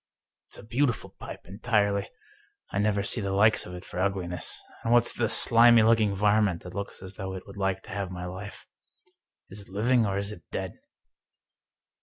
It's a beautiful pipe, entirely. I never see the like of it for ugliness. And what's the slimy looking varmint that looks as though it would like to have my life ? Is it living, or is it dead